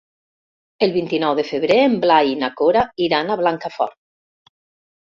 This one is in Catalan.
El vint-i-nou de febrer en Blai i na Cora iran a Blancafort.